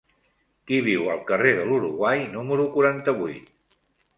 Qui viu al carrer de l'Uruguai número quaranta-vuit?